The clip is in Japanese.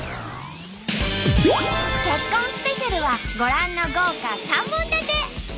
結婚スペシャルはご覧の豪華３本立て！